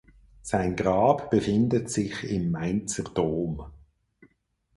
Sein Grab befindet sich im Mainzer Dom.